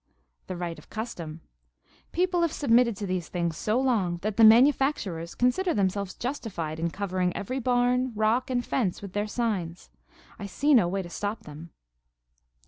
"The right of custom. People have submitted to these things so long that the manufacturers consider themselves justified in covering every barn, rock and fence with their signs. I see no way to stop them."